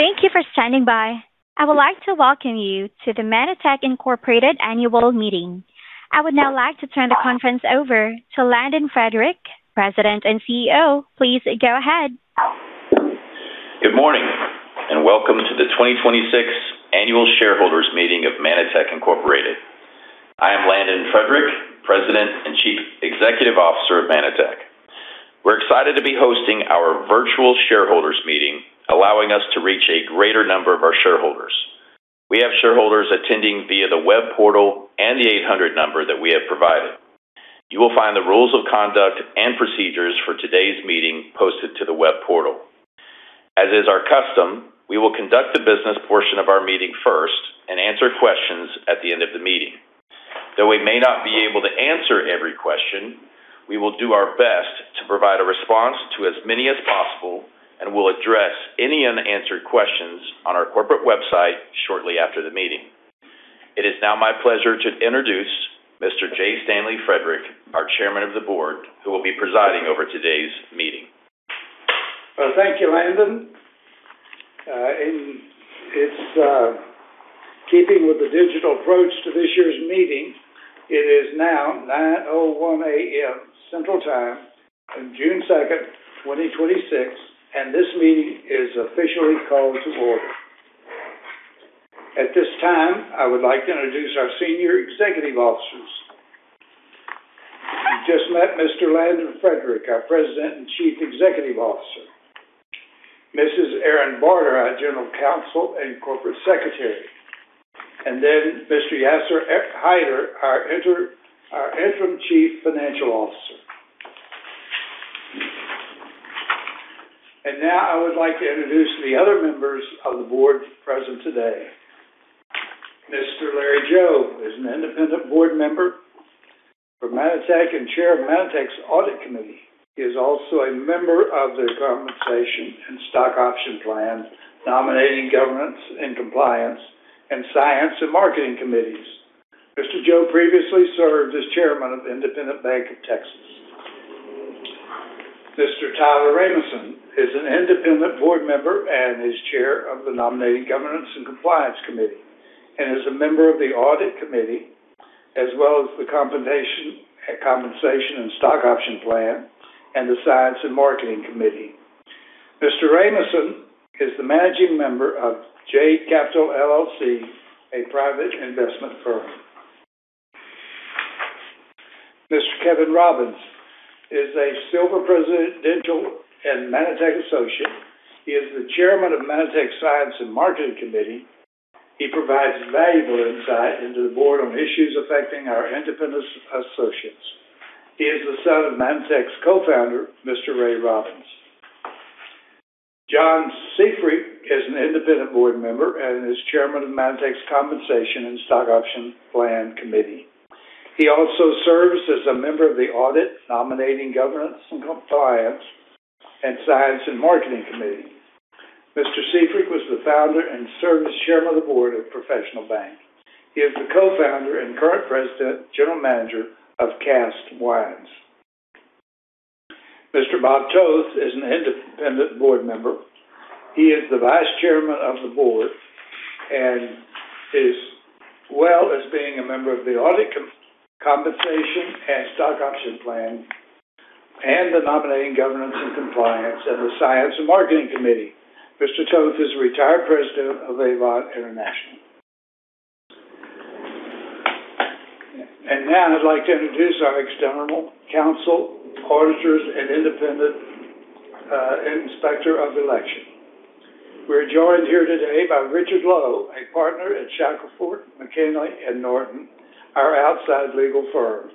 Thank you for standing by. I would like to welcome you to the Mannatech, Incorporated annual meeting. I would now like to turn the conference over to Landen Fredrick, President and CEO. Please go ahead. Good morning, and welcome to the 2026 annual shareholders' meeting of Mannatech, Incorporated. I am Landen Fredrick, President and Chief Executive Officer of Mannatech. We're excited to be hosting our virtual shareholders' meeting, allowing us to reach a greater number of our shareholders. We have shareholders attending via the web portal and the 800 number that we have provided. You will find the rules of conduct and procedures for today's meeting posted to the web portal. As is our custom, we will conduct the business portion of our meeting first and answer questions at the end of the meeting. Though we may not be able to answer every question, we will do our best to provide a response to as many as possible and will address any unanswered questions on our corporate website shortly after the meeting. It is now my pleasure to introduce Mr. J. Stanley Fredrick, our Chairman of the Board, who will be presiding over today's meeting. Well, thank you, Landen. In keeping with the digital approach to this year's meeting, it is now 9:01 A.M. Central Time on June 2nd, 2026, and this meeting is officially called to order. At this time, I would like to introduce our senior executive officers. You just met Mr. Landen Fredrick, our President and Chief Executive Officer, Mrs. Erin Barta, our General Counsel and Corporate Secretary, and then Mr. Yasir Haider, our Interim Chief Financial Officer. Now I would like to introduce the other members of the board present today. Mr. Larry A. Jobe is an independent board member for Mannatech and Chair of Mannatech's Audit Committee. He is also a member of the Compensation and Stock Option Plan, Nominating Governance and Compliance, and Science and Marketing Committees. Mr. Jobe previously served as Chairman of the Independent Bank of Texas. Mr. Tyler Runnels is an independent board member and is Chair of the Nominating Governance and Compliance Committee, and is a member of the Audit Committee, as well as the Compensation and Stock Option Plan and the Science and Marketing Committee. Mr. Rameson is the managing member of J Capital LLC, a private investment firm. Mr. Kevin Robbins is a Silver Presidential and Mannatech Associate. He is the Chairman of Mannatech's Science and Marketing Committee. He provides valuable insight into the board on issues affecting our independent associates. He is the son of Mannatech's co-founder, Mr. Ray Robbins. John Seifrick is an independent board member and is Chairman of Mannatech's Compensation and Stock Option Plan Committee. He also serves as a member of the Audit, Nominating Governance and Compliance, and Science and Marketing Committee. Mr. Seifrick was the founder and served as Chairman of the Board of Professional Bank. He is the co-founder and current President General Manager of CAST Wines. Mr. Bob Toth is an independent board member. He is the Vice Chairman of the Board, as well as being a member of the Audit, Compensation and Stock Option Plan, and the Nominating Governance and Compliance, and the Science and Marketing Committee. Mr. Toth is a retired president of Avon International. Now I'd like to introduce our external counsel, auditors, and independent inspector of election. We're joined here today by Richard Lowe, a partner at Shackelford, McKinley & Norton, our outside legal firm.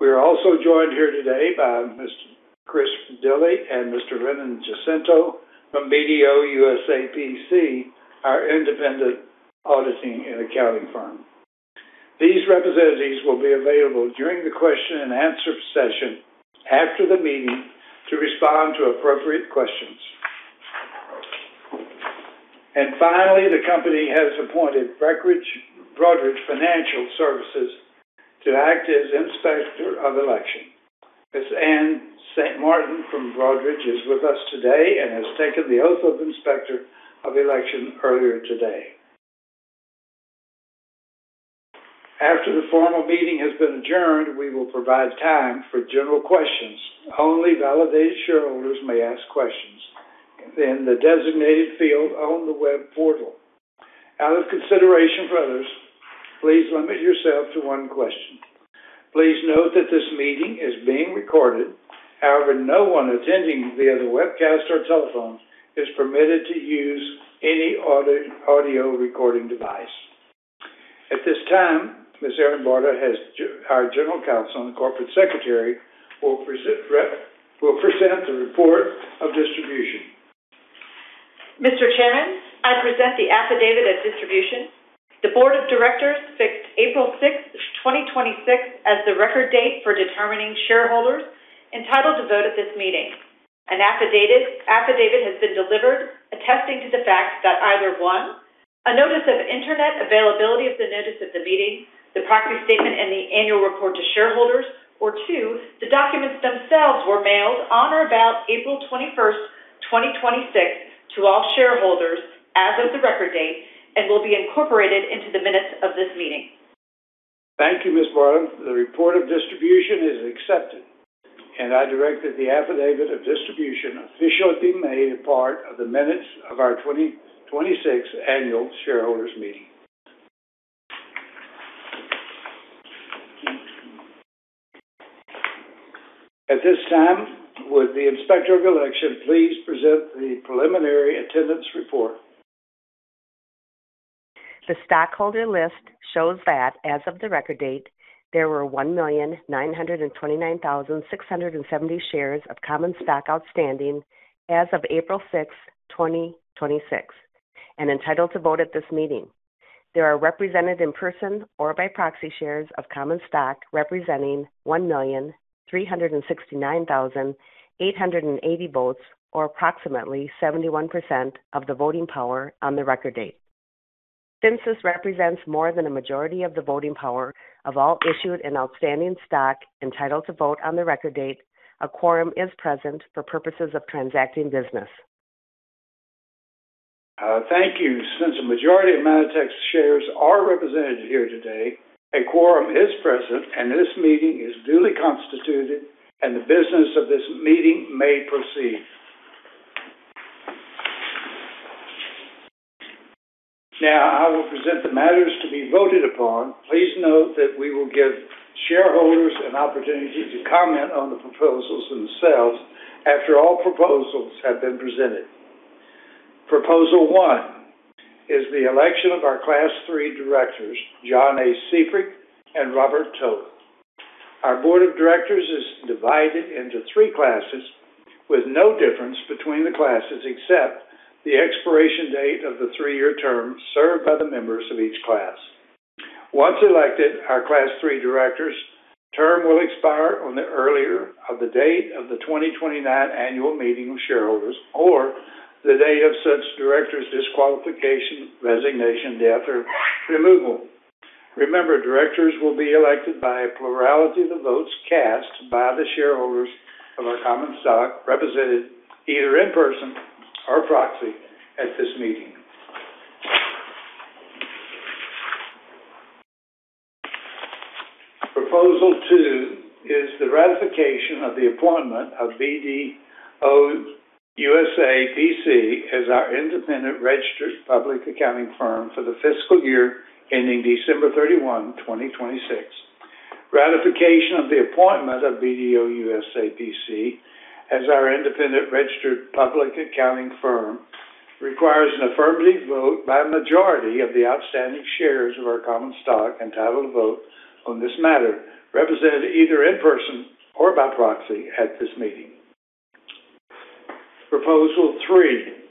We are also joined here today by Mr. Chris Dilley and Mr. Lennon Jacinto from BDO USA, P.C., our independent auditing and accounting firm. These representatives will be available during the question and answer session after the meeting to respond to appropriate questions. Finally, the company has appointed Broadridge Financial Solutions to act as Inspector of Election. Ms. Anne St. Martin from Broadridge is with us today and has taken the oath of Inspector of Election earlier today. After the formal meeting has been adjourned, we will provide time for general questions. Only validated shareholders may ask questions in the designated field on the web portal. Out of consideration for others, please limit yourself to one question. Please note that this meeting is being recorded. However, no one attending via the webcast or telephone is permitted to use any audio recording device. At this time, Ms. Erin Barta, our General Counsel and the Corporate Secretary, will present the report of distribution. Mr. Chairman, I present the affidavit of distribution. The Board of Directors fixed April 6th, 2026 as the record date for determining shareholders entitled to vote at this meeting. An affidavit has been delivered attesting to the fact that either, one A notice of internet availability of the notice of the meeting, the proxy statement, and the annual report to shareholders, or two, the documents themselves were mailed on or about April 21st, 2026, to all shareholders as of the record date and will be incorporated into the minutes of this meeting. Thank you, Ms. Barta. The report of distribution is accepted, and I direct that the affidavit of distribution officially be made a part of the minutes of our 2026 annual shareholders' meeting. At this time, would the Inspector of Election please present the preliminary attendance report? The stockholder list shows that as of the record date, there were 1,929,670 shares of common stock outstanding as of April 6th, 2026, and entitled to vote at this meeting. There are represented in person or by proxy shares of common stock representing 1,369,880 votes, or approximately 71% of the voting power on the record date. Since this represents more than a majority of the voting power of all issued and outstanding stock entitled to vote on the record date, a quorum is present for purposes of transacting business. Thank you. Since a majority of Mannatech's shares are represented here today, a quorum is present, and this meeting is duly constituted, and the business of this meeting may proceed. Now I will present the matters to be voted upon. Please note that we will give shareholders an opportunity to comment on the proposals themselves after all proposals have been presented. Proposal one is the election of our Class III directors, John A. Seifrick and Robert Toth. Our board of directors is divided into three classes with no difference between the classes except the expiration date of the three-year term served by the members of each class. Once elected, our Class III directors' term will expire on the earlier of the date of the 2029 annual meeting of shareholders or the day of such director's disqualification, resignation, death, or removal. Remember, directors will be elected by a plurality of the votes cast by the shareholders of our common stock represented either in person or proxy at this meeting. Proposal two is the ratification of the appointment of BDO USA, P.C. as our independent registered public accounting firm for the fiscal year ending December 31, 2026. Ratification of the appointment of BDO USA, P.C. as our independent registered public accounting firm requires an affirmative vote by a majority of the outstanding shares of our common stock entitled to vote on this matter, represented either in person or by proxy at this meeting. Proposal three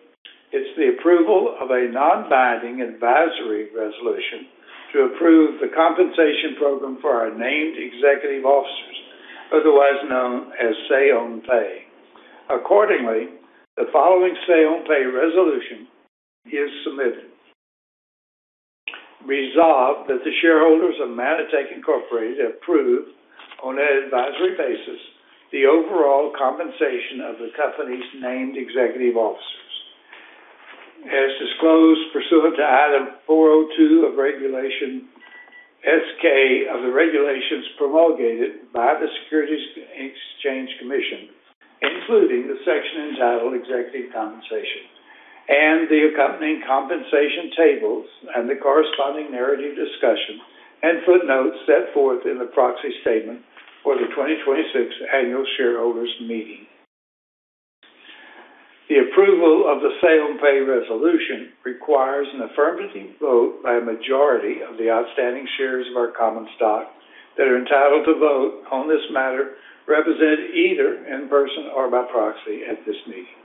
is the approval of a non-binding advisory resolution to approve the compensation program for our named executive officers, otherwise known as say on pay. Accordingly, the following say on pay resolution is submitted. Resolved that the shareholders of Mannatech, Incorporated approve, on an advisory basis, the overall compensation of the company's named executive officers as disclosed pursuant to Item 402 of Regulation S-K of the regulations promulgated by the Securities and Exchange Commission, including the section entitled Executive Compensation and the accompanying compensation tables and the corresponding narrative discussion and footnotes set forth in the proxy statement for the 2026 annual shareholders' meeting. The approval of the say on pay resolution requires an affirmative vote by a majority of the outstanding shares of our common stock that are entitled to vote on this matter represented either in person or by proxy at this meeting.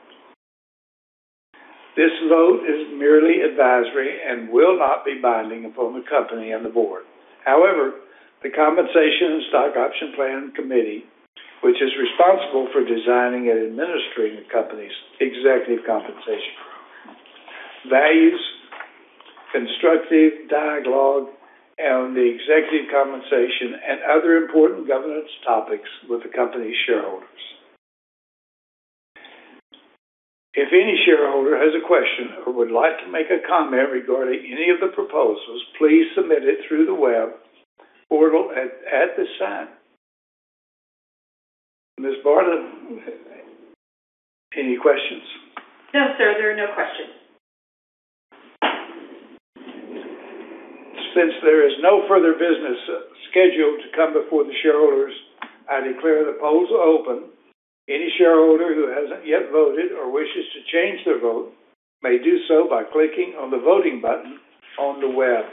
This vote is merely advisory and will not be binding upon the company and the board. The Compensation and Stock Option Plan Committee, which is responsible for designing and administering the company's executive compensation program, values constructive dialogue on the executive compensation and other important governance topics with the company's shareholders. If any shareholder has a question or would like to make a comment regarding any of the proposals, please submit it through the web portal at this time. Ms. Barta, any questions? No, sir. There are no questions. Since there is no further business scheduled to come before the shareholders, I declare the polls are open. Any shareholder who hasn't yet voted or wishes to change their vote may do so by clicking on the voting button on the web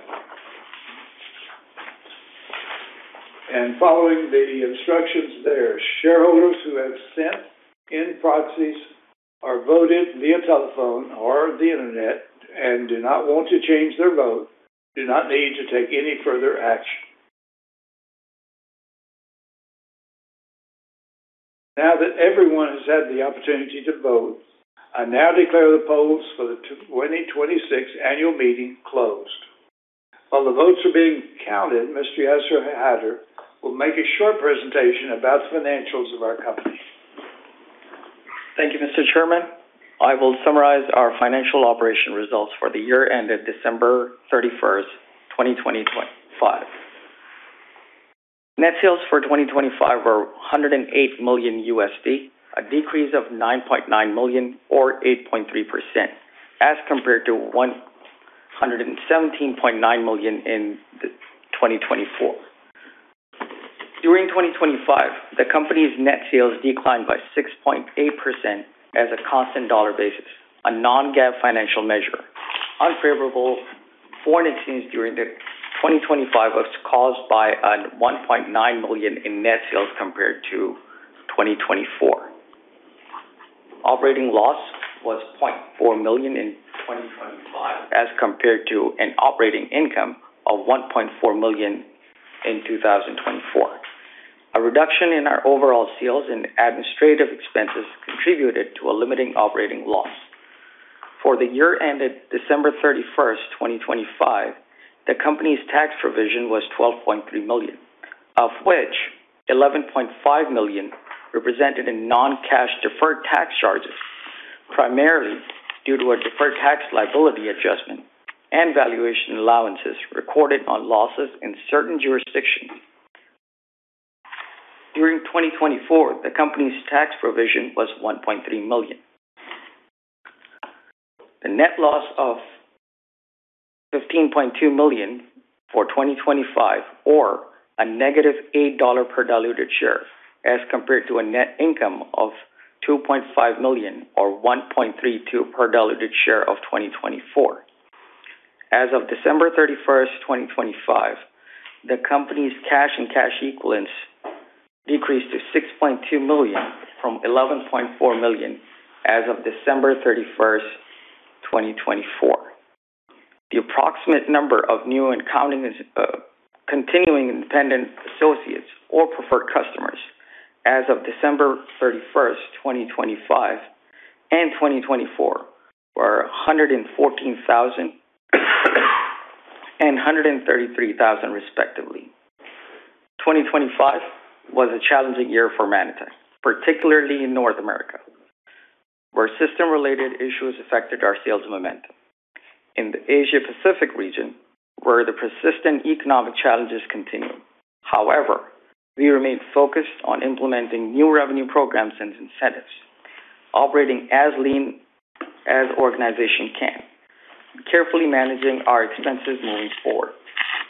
and following the instructions there. Shareholders who have sent in proxies or voted via telephone or the internet and do not want to change their vote do not need to take any further action. Everyone has had the opportunity to vote. I now declare the polls for the 2026 annual meeting closed. While the votes are being counted, Mr. Yasir Haider will make a short presentation about the financials of our company. Thank you, Mr. Chairman. I will summarize our financial operation results for the year ended December 31st, 2025. Net sales for 2025 were $108 million, a decrease of $9.9 million or 8.3% as compared to $117.9 million in 2024. During 2025, the company's net sales declined by 6.8% as a constant dollar basis, a non-GAAP financial measure. Unfavorable foreign exchange during the 2025 was caused by a $1.9 million in net sales compared to 2024. Operating loss was $0.4 million in 2025 as compared to an operating income of $1.4 million in 2024. A reduction in our overall sales and administrative expenses contributed to a limiting operating loss. For the year ended December 31st, 2025, the company's tax provision was $12.3 million, of which $11.5 million represented a non-cash deferred tax charges, primarily due to a deferred tax liability adjustment and valuation allowances recorded on losses in certain jurisdictions. During 2024, the company's tax provision was $1.3 million. The net loss of $15.2 million for 2025, or a -$8 per diluted share as compared to a net income of $2.5 million or $1.32 per diluted share of 2024. As of December 31st, 2025, the company's cash and cash equivalents decreased to $6.2 million from $11.4 million as of December 31st, 2024. The approximate number of new and continuing independent associates or preferred customers as of December 31st, 2025 and 2024 were 114,000 and 133,000 respectively. 2025 was a challenging year for Mannatech, particularly in North America, where system-related issues affected our sales momentum, in the Asia Pacific region, where the persistent economic challenges continue. We remain focused on implementing new revenue programs and incentives, operating as lean as organization can, carefully managing our expenses moving forward.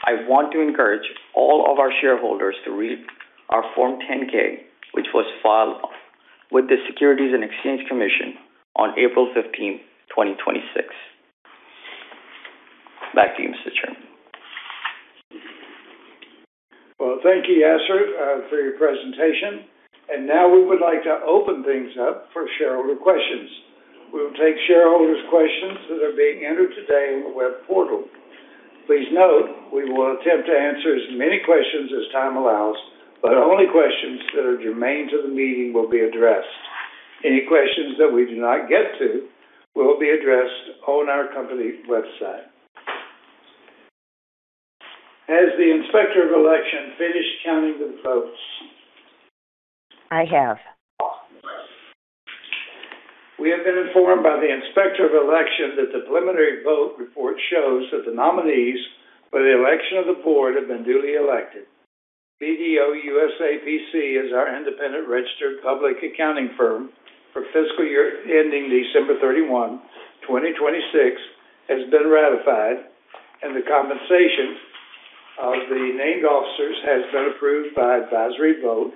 I want to encourage all of our shareholders to read our Form 10-K, which was filed with the Securities and Exchange Commission on April 15th, 2026. Back to you, Mr. Chairman. Well, thank you, Yasir, for your presentation. Now we would like to open things up for shareholder questions. We will take shareholders' questions that are being entered today on the web portal. Please note we will attempt to answer as many questions as time allows, but only questions that are germane to the meeting will be addressed. Any questions that we do not get to will be addressed on our company website. Has the Inspector of Election finished counting the votes? I have. We have been informed by the Inspector of Election that the preliminary vote report shows that the nominees for the election of the board have been duly elected. BDO USA, P.C. is our independent registered public accounting firm for fiscal year ending December 31, 2026, has been ratified, and the compensation of the named officers has been approved by advisory vote.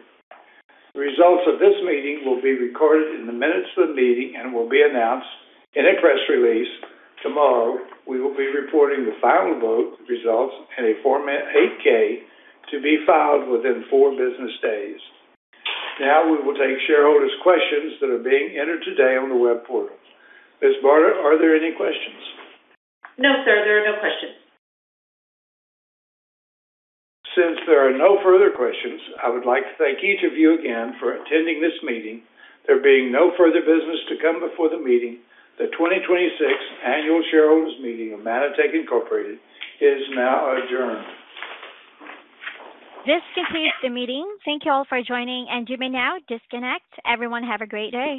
The results of this meeting will be recorded in the minutes of the meeting and will be announced in a press release tomorrow. We will be reporting the final vote results in a Form 8-K to be filed within four business days. we will take shareholders' questions that are being entered today on the web portal. Ms. Barta, are there any questions? No, sir, there are no questions. Since there are no further questions, I would like to thank each of you again for attending this meeting. There being no further business to come before the meeting, the 2026 annual shareholders' meeting of Mannatech, Incorporated is now adjourned. This concludes the meeting. Thank you all for joining, and you may now disconnect. Everyone have a great day.